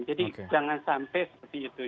jadi jangan sampai seperti itu